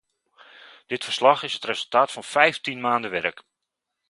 Dit verslag is het resultaat van vijftien maanden werk.